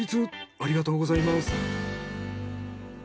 ありがとうございます。